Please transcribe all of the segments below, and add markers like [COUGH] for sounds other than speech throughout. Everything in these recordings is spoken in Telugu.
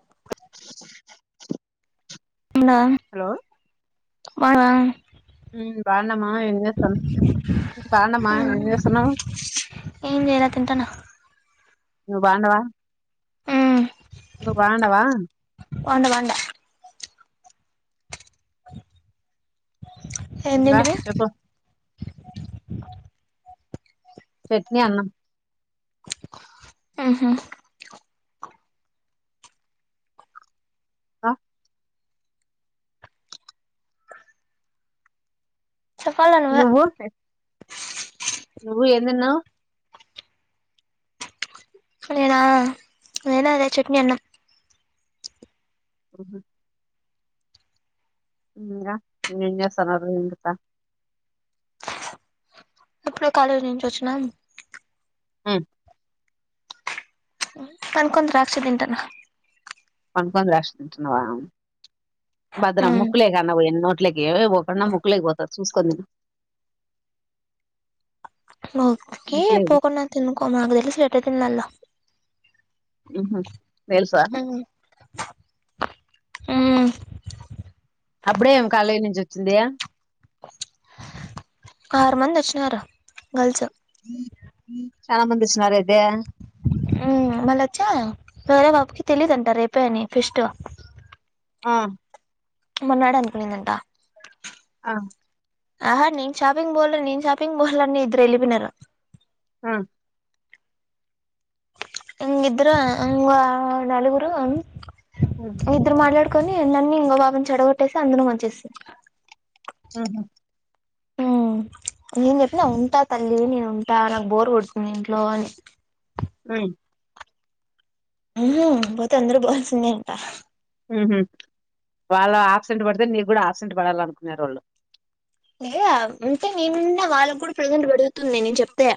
[INAUDIBLE] ఉనా హలో అ ఉ బాన్ తమ్మ ఏం చేస్త బాన్నా బా ఏం చేస్తన్నావు ఏం చేయలే తింటానా నువ్వు బాన్నావా ఉ నువ్వు బాండావా బాండ బాండ ఏం ఇంగా తింటివి చెప్ప చట్నీ అన్నం ఉహు అ చెప్పాల నువ్వే నువ్వు నువ్వు ఏం తిన్నావు నేనా నేను అదే చట్నీ అన్నం ఓహో ఎం రా ఇంకా ఎం చేస్తున్నారు ఎం కథ ఎప్పుడే కాలేజీ నుంచి వచ్చినా ఉమ్ కనుకొంద రషితింతన్రా కొను కొని రాసు థింతునవా బాద్రాం ముకులేకి అనా పోయిను నాట్ అట్లకి ఏవే పోండా ముొక్కలేకిపోతాది చూసుకోని థిను నోకి పోకునా థినుకో మా అకాలియతే లేట్ అయితుంది అన్నావ్ ఉహుమ్ తెలుసా ఆ అప్పుడే ఏం కాలేజీ నుంచి వచ్చిందియా ఆరు మంది వచ్చినారు గర్ల్స్ [INAUDIBLE] చాలా మంది ఇచ్చినార అయ్తే ఉమ్ మళ్ళ వచ్చా వర బాబుకి తెలిదుంట రేపోని ఫిస్ట్ ఆ మరన్నడు అనుకునిందంటా ఆ ఆహా షాపింగ్ మాల్ నన్ షాపింగ్ మాల్ అని ఇధారు వెలిపోయినారు ఆ ఇంగ్ ఇధ్రు ఇంగో నలుగురు ఉమ్ ఇధర్ మట్లాడు కొని నన్ను ఇంకో బాబుని చెడగొట్టేసి అందుర వచ్చేస్తుంది ఆహా ఉమ్ నేను చెప్పిన ఉంటా తల్లి నేను ఉంటా నాకు బోర్ కొడుతుంది ఇంట్లో అని ఉమ్ ఉహుమ్ పోతే అందరూ పోవాల్సిందే అంటా ఉహుమ్ వాళ్ళ ఆక్సిడెంట్ పడితే నీకు కూడా ఆక్సిడెంట్ పడాల అనుకున్నారు వాళ్ళు లే అంటే మెమ్ నెన్ఉనా వాళ్ళకు కూడా ప్రెజెంట్ పెడుగుతుంది నేను చెప్తే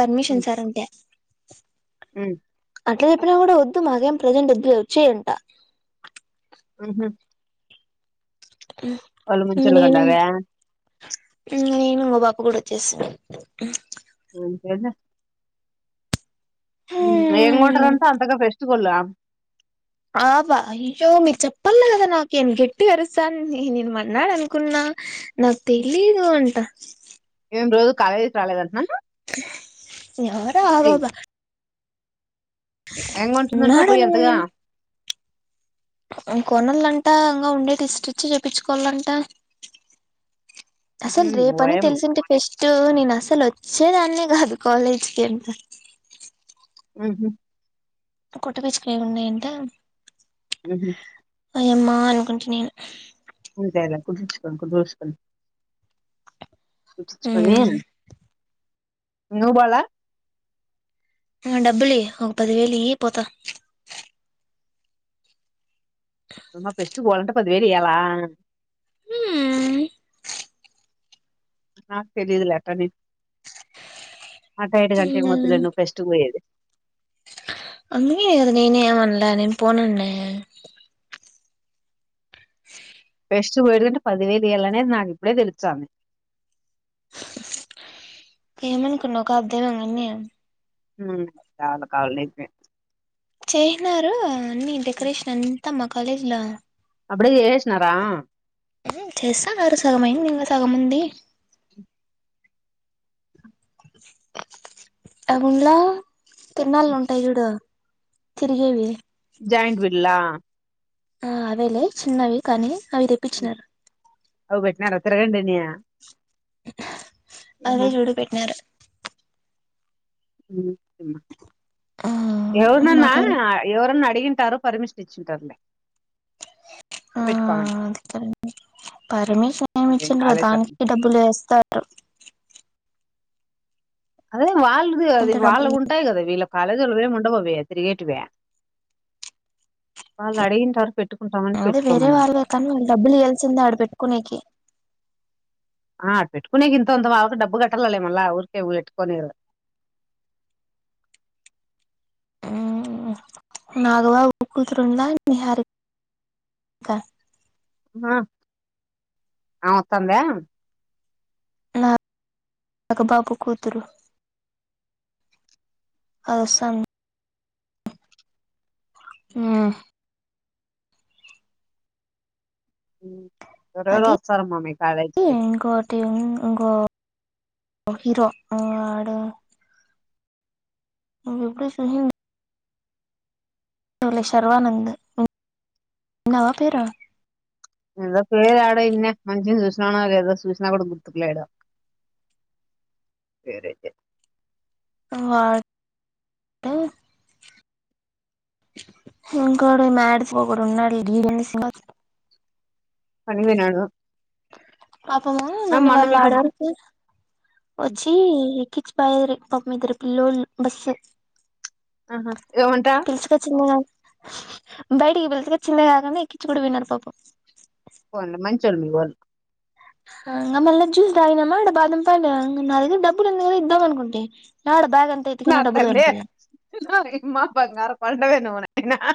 పెర్మిషన్ ఉమ్, సార్ ఉంటె [INAUDIBLE] ఉమ్ అట్లా చెప్పినా కూడా వద్దు మాకేం ప్రజెంట్ వద్ వచ్చేయంట ఉహుమ్ ఉమ్ ఇంగా నేను కండారా ఇంగా నేను మా బాప కూడా వచ్చేస బోన్‌చెయిల్ ఉమ్ ఎమ్ కొంటార్ అంటా అంతగా ఫెస్టు తుగులా ఆ బా ఇయ్యో మీరు చెప్పలే కదా నాకేను గట్టి గరుస్తాను నేను మోర్నాడు అనుకున్నా నాకు తెలిదు అంట ఈ మేం రోజు కాలేజీ రాలేదుంటన్నా యర అబబ్బా ఎం కొంటుందంట పోయ్ అంతగా ఉన్ కొనాలంట ఉంగ ఉండేది స్టిచ్ చేపించుకోవాలంట ఉహు, అసలు రేప్ ని ఓయమ్మ తెలిసి ఉంటే పేస్ట్ ఇటు నేను అసలు వచ్చేదాన్నే గాదు కాలేజ్కి ఎంత ఉహు కొట్టబిచ్చుకయలు ఉన్నాయి అంట నేహు అయమ్మా అనుకుంటి నేను అంతే లే కుదిసుకో కుసుకోం చ్చుకొని ను బాళ హ డబ్బులు ఇయ్ ఒక పదివేలు ఇయ్ పోతా అమ్మ పెస్ట్ కు పోవాలి అంటే పదివేలు ఇయాల మ్మ్ నాకు తెలియదు లే అట్టని అట ఏడు గంటే మొద్దులే నువ్ ఫెస్ట్ కు పోయేది అన్ని గదా అది నేనే ఏమనలే నేను ఫోనునాన్నే ఫస్ట్ వడ్ అంటే పదివేలు ఇయాలనేది నాకు ఇప్పుడే తెలుచాంది ఎం అనుకున్నావు కబ్ దే అన్ని అని ఉ చాలా కావాలి నీకు నేన్ చేసినారు అన్ని డెకరేషన్ అంతా మ కాలేజ్ ల అప్పుడే ఏసినారా చేస్తాన్నారు సగం అయింది ఇంగ సగం ఉంది అ గున్ లా తిరునాళ్లు ఉంటాయి చూడు తిరిగేవి జాయింట్ విల్లా ఆ అవేలే చిన్నవి కానీ అవి తెప్పించిన అవు వెట్టినారా తిరగండనియ ఆ అదే చూడు పెట్టినారు ఉ ఆ ఎవర్ నన్నా మాకు ఎవరన్నా అడిగింటారు పర్మిషన్ ఇచ్చింటారులే ఆ పెట్టుకోమని అదికడి పర్మిషన్ ఏమి అవేం ఇచ్చండార కాలేదు దానికి డబ్బులు వేస్తారు అదే వాళ్ళది అది ఇంత వాళ్ళవి డబ్బులు ఉంటాయి కదా వీళ్ళ కాలేజీలో అవేమీ ఉండవు అవి తిరిగేటివి వాళ్ల అడిగింటారు పెట్టుకుంటామని అవి వేరే పెట్టుకోమని అంటారు. వాళ్ళే కానీ వాళ్ళు డబ్బులు ఇయాల్సింద ఆడ పెట్టుకునేకి ఆ పెట్టుకునే ఇంతంత వాళ్ళకి డబ్బు కట్టాల లే మళ్ళా ఊరికేఊ పెట్టుకనేరు నాగబాబు కూతురుండ్ల నిహారిక ఆ ఆ వత్తాందా నా నాగబాబు కూతురు అల్సన్ ఊ ఎవరెవరో అది వస్తారు అమ్మ మీ కాలేజీకి అది ఇంకో హీరో‌ వాడు వాడు నువ్వు ఎప్పుడు సుశీండవ్ లే శర్వానంద్ ఆ విన్నావా పేరా ఏదో పేరు ఏడో విన్నా‌ మంచిని చూసినాను లేదో చూసినా కూడా గుర్తులేడో పేరైతే ఉ వాడైతే ఇంకోడు మ్యాడ్స్ ఒకడు ఉన్నాడు పనికి పోయినాడు పాపమూ నన్ను మొన్న వాళ్ళు మీ పెద్ద ఆడకు వచ్చి పిచ్ పయరి పమ్ ఇద్దరు పిల్ల్లోళ్ళలు బస్సు ఆహా ఏముంటా పిలుచుకొచ్చింది కదా బయటికి పిలుచుకొచ్చింది కాకుండా ఎక్కించి కూడా పోయినాడు పాపం పోన్లే మంచోళ్ళు మీ వోళ్ళు మల్ళ జ్యూస్ తాగినమ్మాక్కడ బాం పయ నా దగర డబ్బులు ఎందు కదా ఇద్దాం అనుకుంటే బ్యాగ్ అంతా నా ఎతికినా డబ్బులు తల్లి కనపడలే ఇమ్మా బంగారు పండవను తిన్నావా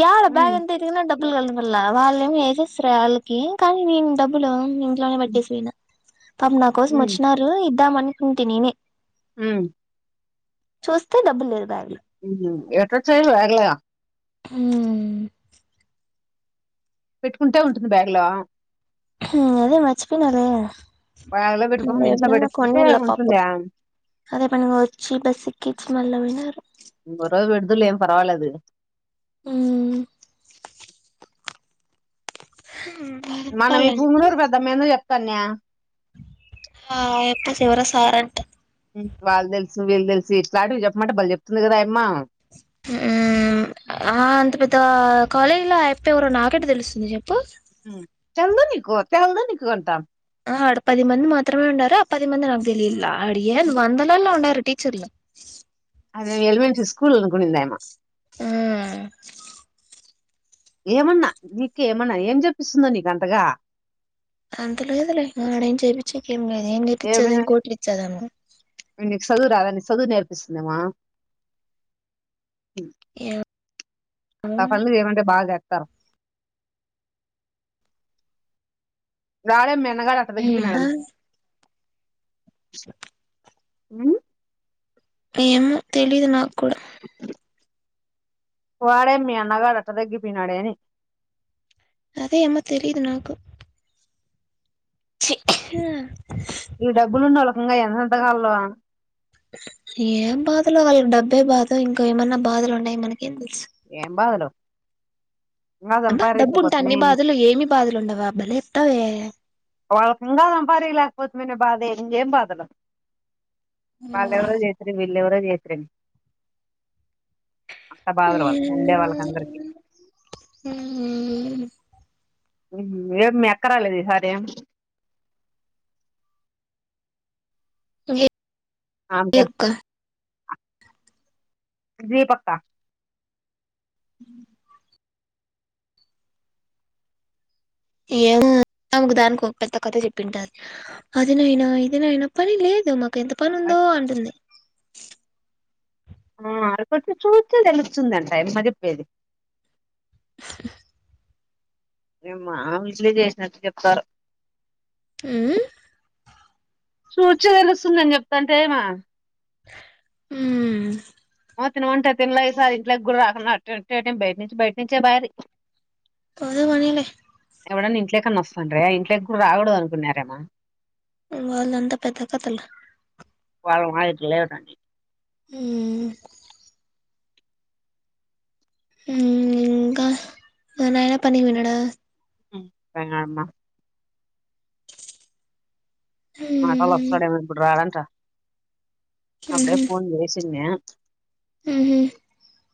యాల బ్యాగ్ అంత వెతికినా డబ్బులు డబ్బులు కల వల్ల వాళ్ళ ఏమమి వసేస్తారు వాళ్ళకి కానీ దీని డబ్బులు ఇంట్లోనే హ్మ్ పెట్టేసి పోయిన పాపము నా కోసం వచ్చినారు దమనుకుంటిని మ్ చూస్తే డబ్బులు లేవు, బెగ్ల ఎట్లా చైన్ లాగలే ఊ పెట్టుకుంటే ఉంటుంది బ్యాగ్ లో అదే మర్చిపోయినాలే బ్యాగ్లో పెట్టుకోకుండా ఇంట్లో ఇంకెప్పుడైనా కొన్ని పెట్టేసుకుంటే ఎల్ల పాపం ఉంటుందా అదే పనిగా వచ్చి బస్సు ఎక్కిచ్చి మల్ల పోయినాడు స ర పెడుతులే ఏం పర్వాలేదు మ్ మనం ఈ చెప్పాలంటే పుంగునూరు పెద్దమ్మేదో చెప్ కన్యా ఆ ఎప్ప చివర సారంట వాళ్ళు తెలుసు వీళ్ళు తెలుసు ఇట్లాంటివి చెప్పమంటే బలె చెప్తుంది కదాయమ్మా మ్.. ఆ.. అంత పెద్ద కాలేజీ లో అయిప్పే ఎవరు నాకెట్ట తెలుస్తుంది చెప్ పస్ తెల్ద్ నికు తెల్దనికు అంటా ఆ ఆడ పది మంది మాత్రమే ఉన్నారు ఆ పది మంది నాకు తెలియట్లా అడ ఏంది వందలల్లో ఉన్నారు టీచర్లు అది నేను ఎలిమెంటరీ స్కూల్ అనుకునిందేమొ మ్ ఏమన్నా నీకేమన్నా ఏం చెప్పిస్తుందో నీకంతగా అంతలోదలే ఆడేం చేపిచ్చెది ఏం లేదు ఏ ఏమి నేర్పిచ్చెది కోట్లు ఇచ్చారెమన్న నీకు చదువు రాదని చదువు నేర్పిస్తుందేమా ఏమో అట్టాంటోళ్లు ఏమంటే బాగా జత ఆ రాదమ్మి న్నగా అట్ట ఆ తగ్గిపోయినాడండి స్ మ్ ఏమో తెలీదు నాకు కూడా వాడే మిఅన్నగాడు అట్ట తగ్గిపొయినాడేమి అదే అమ్మ తెలీదు నాకు ఛీ ఇవి డబ్బులు ఉన్నొళకి [UNINTELLIGIBLE] [UNINTELLIGIBLE] ఏం బాధలో వాళ్ళకి డబ్బే బాధ ఇంకో ఏమన్నా బాధలు ఉన్నాయి మనకేం తెలుసు ఏం బాదలు అబ్బా డబ్బు ఉంటే అన్ని బాధలు ఏమి బాధలు ఉండవా బలే చెప్తావే వాళ్ళకి ఇంకా సంపాాదీయ లేకపోతే మేని బాధ ఇంకేం బాధలు మ్మ్ వాళ్లెవరో చేసు లెవరొచేత్రడి అట్ట బాధలు వాళ్ళు ఉండే వాళ్ళకి అందరికి మ్మ్ ఏం మీ అక్క రాలేదు ఈ సారి అ [UNINTELLIGIBLE] చయకా [UNINTELLIGIBLE] దీ పక్క ఉ ఏమో అంకు దానికి ఒక పెద్ద కథ చెప్పింటది అదినైనా ఇది నాైనా పని లేదు మాకు గెంత పని ఉందో అంటుంది ఆ కొంచెం చూస్ తెలుస్తుందంట మారి పొద్దంట ఈ అమ్మాయి చెప్పేది [INAUDIBLE] ఏమ్మ ఇట్లే చేసినట్టు చెప్తారు ఉమ్ చూచి తెలుస్తుందని చెప్తాంటె ఈమ మ్ తినమంటరు తిన్ల ఈసారి ఇంట్లోకి కూడా రాకుండా అం బయట నుంచి బయట నుంచే బార పోదాం మనీలే ఎవడన్నా ఇంట్లెకన్న వస్తుండె రే ఆ ఇంట్లోకి కూడ రాకడదు అనుకున్నారేమ వాళ్ళ అంత పెద్ద కతల వాళ్ళ వాట్లే ఉంటండి హు హుమ్ ఇంక మా నాయన పని వెల్లినాడా బయం కాట్ల మాటల ఉమ్ వస్తడేమో ఇప్పుడ రాడాంట అప్పుడే పోన్ చేసింది [INAUDIBLE] ఊహు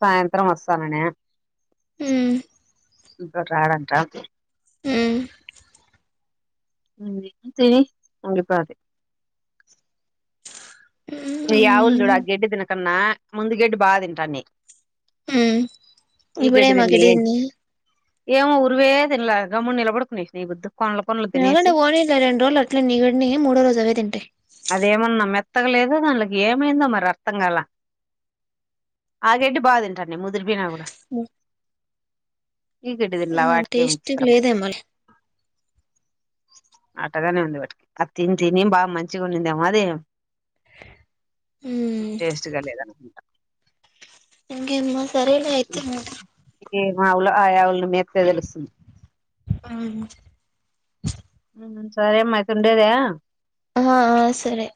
సాయంత్రం వస్తాననే మ్ ఇప్పుడు రాడంట ఓకే ఉమ్ సిరి ఉంగడి పాద యావుల్ చూడ ఉమ్ గెడ్డి దిన కున్నా ముందు గెడ్డి బాగ తింటాన్ని ఉ ఇవడె తినలే మాకిటిన్న ఏమో ఉర్వే తినల గమ్డు నిలబడుకునేిన బుద్దు ఎలాగండి ఓన్ రెండు రోజులు అట్ల నిీగడ్నె మూడో రోజు అవేదిండి దాన్లోకి ఏమైందో మరి అర్థం కాల ఆగడ్టి బాగా తింటా న ముద్ తిపనా కూడ ఉ టేస్ట్ విచిత్రమో లేదేమ్ మాన్ అట్ అది తిని తిని బాగ మంచిగా ఉన్నిందేమో అదే ఉమ్ టేస్ట్ గ లేద ఇంకేమ్మ సరేనె అయితే మేడం ఏ మావులు ఆయావుల్ని మెత్తే తెలుస్తుంది అ సరే అమ్మ అయితే ఉండేదా ఆ! ఆ సరే